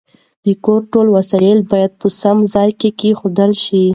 د کور ټول وسایل باید په سم ځای کې کېښودل شي.